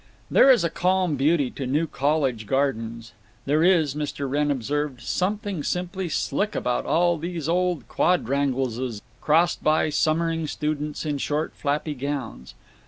There is a calm beauty to New College gardens. There is, Mr. Wrenn observed, "something simply slick about all these old quatrangleses," crossed by summering students in short flappy gowns.